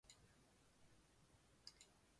中山北路